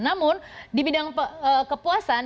namun di bidang kepuasan